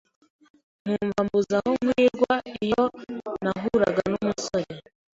nkumva mbuze aho nkwirwa , iyo nahuraga n’umusore